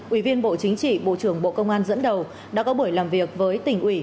ủy viên bộ chính trị bộ trưởng bộ công an dẫn đầu đã có buổi làm việc với tỉnh ủy